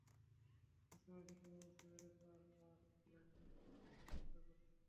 বুঝতে পেরেছি, তুমিও বুঝতে পেরেছো, আর ক্লাইম্যাক্স এর ব্যাপরে চিন্তা করবে না।